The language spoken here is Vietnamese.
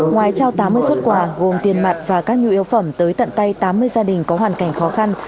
ngoài trao tám mươi xuất quà gồm tiền mặt và các nhu yếu phẩm tới tận tay tám mươi gia đình có hoàn cảnh khó khăn